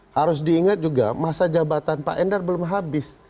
harus diingat juga masa jabatan pak endar belum habis